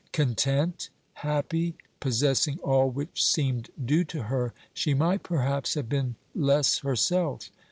Content, happy, possessing all which seemed due to her, she might perhaps have been less herself.